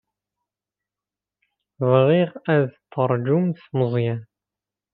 Bɣiɣ ad teṛjumt Meẓyan.